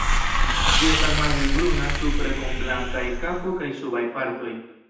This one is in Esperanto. Ĝi estas malhelbruna supre kun blankaj kapo kaj subaj partoj.